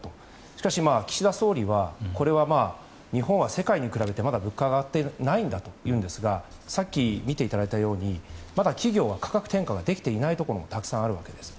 しかし、岸田総理はこれは日本は世界に比べてまだ物価が上がっていないんだというんですがさっき見ていただいたようにまだ企業は価格転嫁ができていないところもたくさんあるわけです。